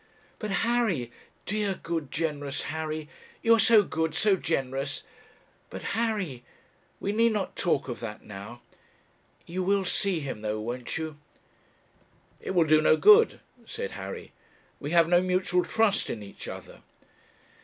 'But, Harry dear, good, generous Harry you are so good, so generous! But, Harry, we need not talk of that now. You will see him, though, won't you?' 'It will do no good,' said Harry; 'we have no mutual trust in each other.'